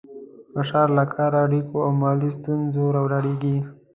فشار له کار، اړیکو او مالي ستونزو راولاړېږي.